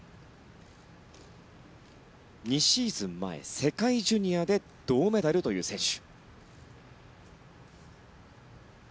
２シーズン前、世界ジュニアで銅メダルという選手。